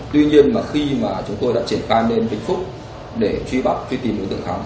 tuy nhiên mà khi mà chúng tôi đã triển khai lên vĩnh phúc để truy bắt truy tìm đối tượng khánh